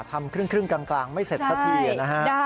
ทำครึ่งครึ่งกลางกลางไม่เสร็จสักทีอ่ะนะคะใช่นะคะ